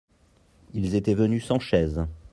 Ils étaient venus sans chaise